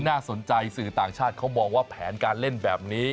น่าสนใจสื่อต่างชาติเขามองว่าแผนการเล่นแบบนี้